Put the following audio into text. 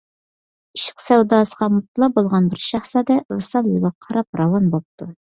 ئىشق سەۋداسىغا مۇپتىلا بولغان بىر شاھزادە ۋىسال يولىغا قاراپ راۋان بوپتۇ.